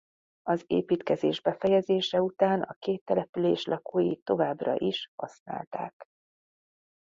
Az építkezés befejezése után a két település lakói továbbra is használták.